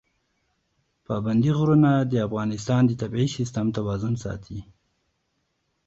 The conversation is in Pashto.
پابندي غرونه د افغانستان د طبعي سیسټم توازن ساتي.